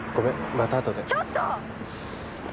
またあとで☎ちょっと！